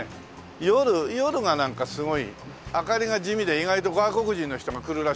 夜がなんかすごい明かりが地味で意外と外国人の人が来るらしいです。